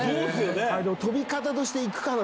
飛び方として行くかな？